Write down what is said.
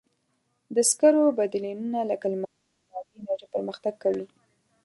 د سکرو بدیلونه لکه لمریزه او بادي انرژي پرمختګ کوي.